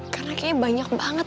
karena kayaknya banyak banget